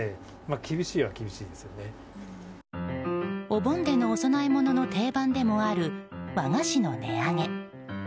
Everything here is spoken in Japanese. お盆でのお供え物の定番でもある和菓子の値上げ。